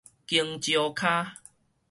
弓蕉跤